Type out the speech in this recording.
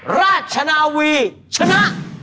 ราชนาวีชนะ